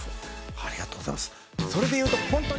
ありがとうございます。